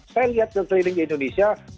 saya lihat di seluruh indonesia